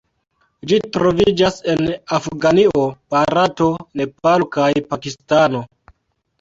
Ĝi troviĝas en Afganio, Barato, Nepalo kaj Pakistano.